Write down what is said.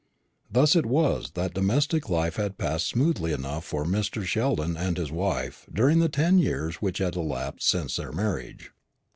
Thus it was that domestic life had passed smoothly enough for Mr. Sheldon and his wife during the ten years which had elapsed since their marriage.